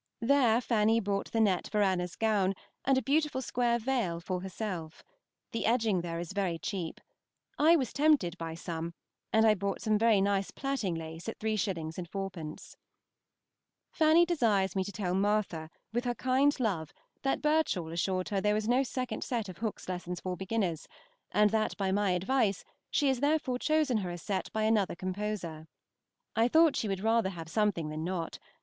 There Fanny bought the net for Anna's gown, and a beautiful square veil for herself. The edging there is very cheap. I was tempted by some, and I bought some very nice plaiting lace at 3_s._ 4_d._ Fanny desires me to tell Martha, with her kind love, that Birchall assured her there was no second set of Hook's Lessons for Beginners, and that, by my advice, she has therefore chosen her a set by another composer. I thought she would rather have something than not.